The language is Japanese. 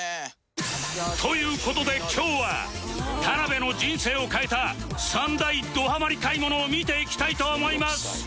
という事で今日は田辺の人生を変えた３大どハマり買い物を見ていきたいと思います